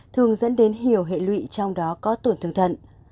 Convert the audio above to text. thường dẫn đến nhiều hệ lụy trong đó có tổn thương thận